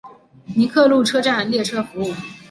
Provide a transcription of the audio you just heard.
尼克路车站列车服务。